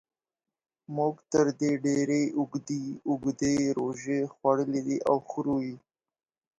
موږ تر دې ډېرې اوږدې اوږدې روژې خوړلې دي او خورو یې.